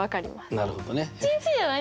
なるほどね。